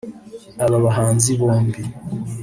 Aba bahanzi bombi